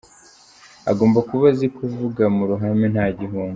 Agomba kuba azi kuvuga mu ruhame nta gihunga.